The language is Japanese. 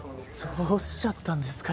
どうしちゃったんですか？